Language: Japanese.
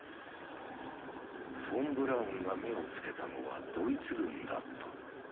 フォン・ブラウンが目をつけたのはドイツ軍だった。